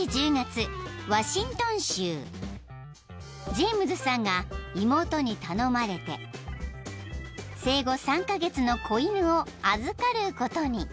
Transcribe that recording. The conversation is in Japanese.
［ジェームズさんが妹に頼まれて生後３カ月の子犬を預かることに］